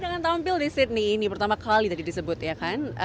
jangan tampil di sydney ini pertama kali tadi disebut ya kan